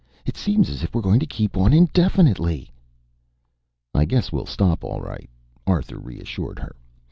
"It seems as if we're going to keep on indefinitely." "I guess we'll stop all right," Arthur reassured her.